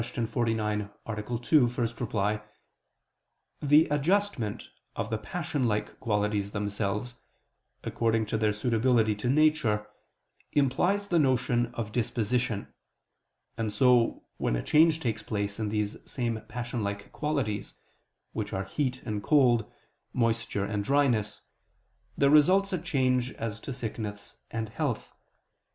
49, A. 2, ad 1), the adjustment of the passion like qualities themselves, according to their suitability to nature, implies the notion of disposition: and so, when a change takes place in these same passion like qualities, which are heat and cold, moisture and dryness, there results a change as to sickness and health.